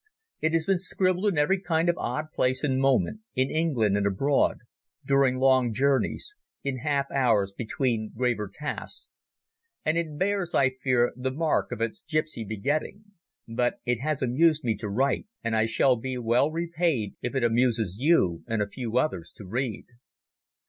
It has been scribbled in every kind of odd place and moment—in England and abroad, during long journeys, in half hours between graver tasks; and it bears, I fear, the mark of its gipsy begetting. But it has amused me to write, and I shall be well repaid if it amuses you—and a few others—to read.